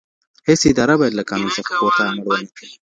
هیڅ اداره باید له قانون څخه پورته عمل ونه کړي.